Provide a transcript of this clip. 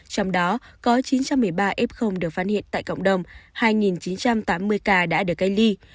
trong đó có chín trăm một mươi ba f được phát hiện tại cộng đồng hai chín trăm tám mươi ca đã được cách ly